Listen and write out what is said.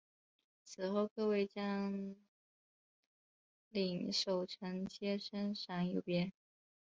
此后各位将领守臣皆升赏有别。